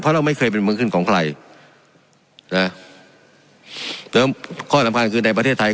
เราไม่เคยเป็นเมืองขึ้นของใครนะแล้วข้อสำคัญคือในประเทศไทย